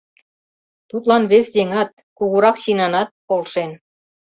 Тудлан вес еҥат — кугурак чинанат — полшен.